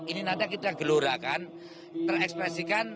ini nanti kita gelorakan terekspresikan